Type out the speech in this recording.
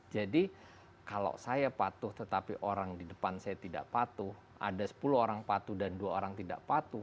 jadi kalau saya patuh tetapi orang di depan saya tidak patuh ada sepuluh orang patuh dan dua orang tidak patuh